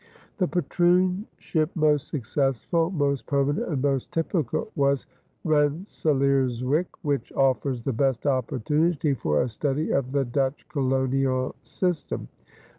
The patroonship most successful, most permanent, and most typical was Rensselaerswyck, which offers the best opportunity for a study of the Dutch colonial system.